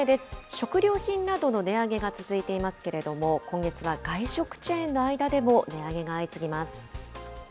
食料品などの値上げが続いていますけれども、今月は外食チェーンの間でも値上げが相次ぎます。